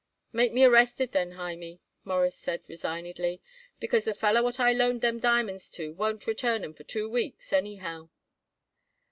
"Make me arrested, then, Hymie," Morris replied resignedly, "because the feller what I loaned them diamonds to won't return 'em for two weeks anyhow."